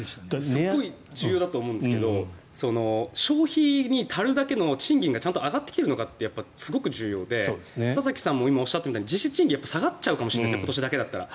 すごい重要だと思うんですけど消費に足るだけの賃金がちゃんと上がってきているのかってすごく重要で田崎さんも今、おっしゃったように実質賃金は下がっちゃうかもしれない今年だけだったら。